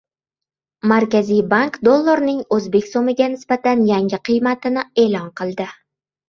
Markaziy bank dollarning o‘zbek so‘miga nisbatan yangi qiymatini e’lon qildi